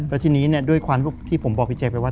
แล้วทีนี้ด้วยความที่ผมบอกพี่แจ๊คไปว่า